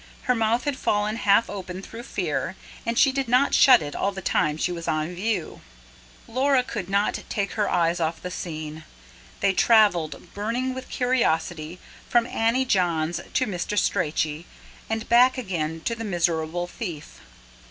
Her mouth had fallen half open through fear, and she did not shut it all the time she was on view. Laura could not take her eyes off the scene: they travelled, burning with curiosity, from Annie Johns to Mr. Strachey, and back again to the miserable thief.